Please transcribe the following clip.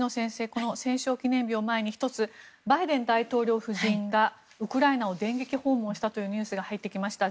この戦勝記念日を前に１つ、バイデン大統領夫人がウクライナを電撃訪問したというニュースが入ってきました。